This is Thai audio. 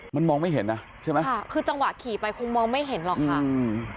มันมองไม่เห็นนะใช่ไหมค่ะคือจังหวะขี่ไปคงมองไม่เห็นหรอกค่ะอืม